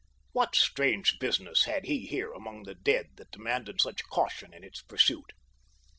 What strange business had he here among the dead that demanded such caution in its pursuit?